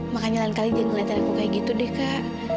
makanya lain kali jangan nanti naku kayak gitu deh kak